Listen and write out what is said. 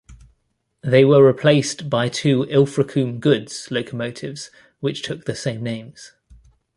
They were replaced by two "Ilfracombe Goods" locomotives which took the same names.